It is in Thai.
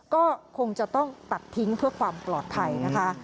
ก็คงจะต้องตัดทิ้งเพื่อความปลอดภัยนะคะ